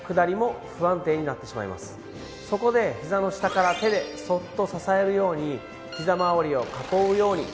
そこでひざの下から手でそっと支えるようにひざまわりを囲うように